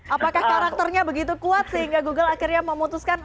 apakah karakternya begitu kuat sehingga google akhirnya memutuskan